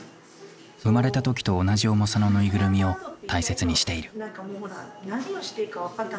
生まれた時と同じ重さのぬいぐるみを大切にしている。